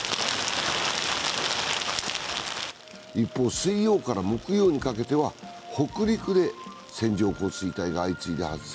一方、水曜から木曜にかけては北陸で線状降水帯が相次いで発生。